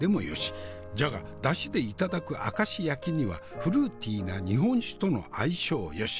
じゃがだしで頂く明石焼きにはフルーティーな日本酒との相性よし。